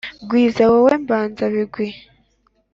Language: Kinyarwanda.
gwiza wowe mbanzabigwi,